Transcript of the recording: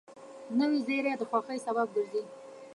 نوې زېری د خوښۍ سبب ګرځي